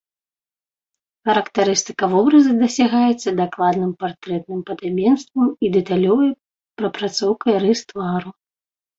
Характарыстыка вобраза дасягаецца дакладным партрэтным падабенствам і дэталёвай прапрацоўкай рыс твару.